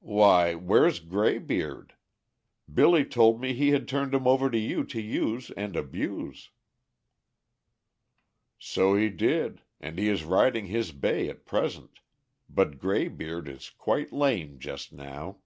"Why, where's Graybeard? Billy told me he had turned him over to you to use and abuse." "So he did, and he is riding his bay at present. But Graybeard is quite lame just now."